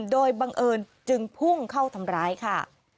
โดยบังเอิญจึงพุ่งเข้าทำร้ายค่ะ